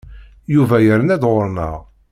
Yuba yerna-d ɣur-neɣ.